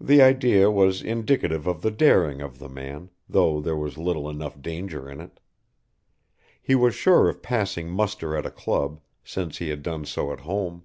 The idea was indicative of the daring of the man, though there was little enough danger in it. He was sure of passing muster at a club, since he had done so at home.